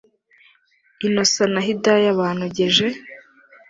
Innocent na Hidaya banogeje